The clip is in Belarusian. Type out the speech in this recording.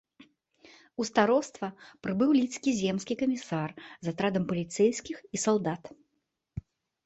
У староства прыбыў лідскі земскі камісар з атрадам паліцэйскіх і салдат.